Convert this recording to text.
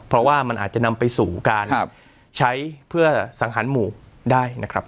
เพราะว่ามันอาจจะนำไปสู่การใช้เพื่อสังหารหมู่ได้นะครับ